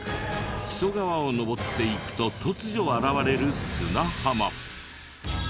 木曽川を上っていくと突如現れる砂浜。